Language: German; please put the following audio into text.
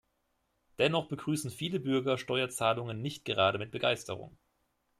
Dennoch begrüßen viele Bürger Steuerzahlungen nicht gerade mit Begeisterung.